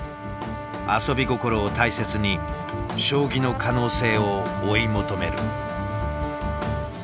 「遊び心」を大切に将棋の可能性を追い求める。